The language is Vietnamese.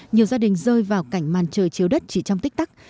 nhiều gia đình rơi vào cảnh màn trời chiếu đất chỉ trong tích tắc